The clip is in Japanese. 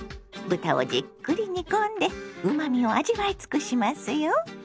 豚をじっくり煮込んでうまみを味わい尽くしますよ。